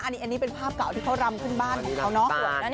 อันนี้เป็นภาพเก่าที่เขารำขึ้นบ้านของเขาเนาะ